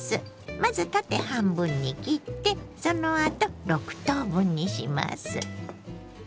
まず縦半分に切ってそのあと６等分にします。